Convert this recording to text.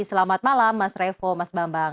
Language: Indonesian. selamat malam mas revo mas bambang